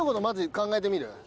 まず考えてみる？